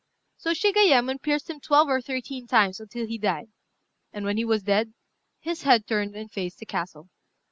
So Shigayémon pierced him twelve or thirteen times, until he died. And when he was dead, his head turned and faced the castle.